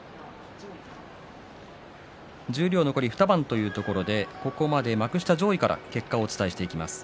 十両残り２番というところでここまでの幕下上位からの結果をお伝えしていきます。